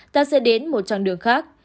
ta sẽ đến một trang đường khác